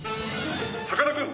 さかなクン！